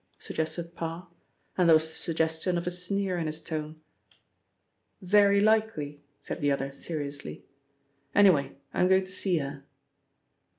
suggested Parr, and there was the suggestion of a sneer in his tone. "Very likely," said the other seriously. "Anyway, I'm going to see her."